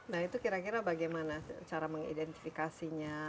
nah itu kira kira bagaimana cara mengidentifikasinya